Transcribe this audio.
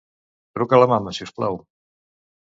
Truca a la mama, si us plau.